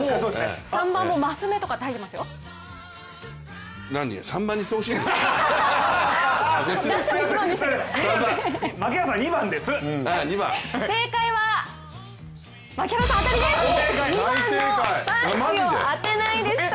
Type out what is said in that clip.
３番もマス目とか入っていますよ。